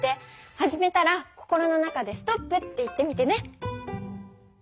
始めたら心の中で「ストップ」って言ってみてね。